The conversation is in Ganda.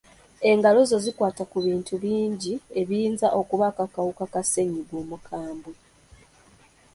Engalo zo zikwata ku bintu bingi ebiyinza okubaako akawuka ka ssennyiga omukambwe.